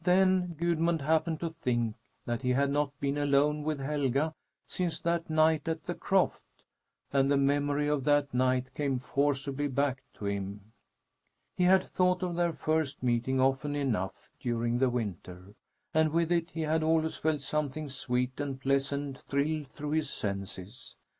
Then Gudmund happened to think that he had not been alone with Helga since that night at the croft, and the memory of that night came forcibly back to him. He had thought of their first meeting often enough during the winter, and with it he had always felt something sweet and pleasant thrill through his senses.